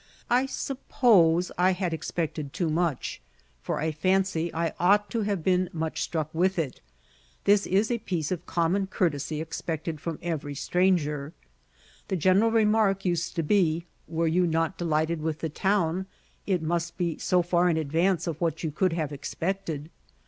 I suppose I had expected too much, for I fancy I ought to have been much struck with it; this is a piece of common courtesy expected from every stranger. The general remark used to be, "Were you not delighted with the town it must be so far in advance of what you could have expected?